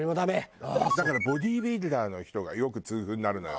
だからボディービルダーの人がよく痛風になるのよ。